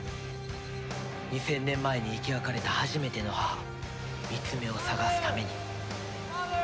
２０００年前に生き別れた初めての母ミツメを捜すために。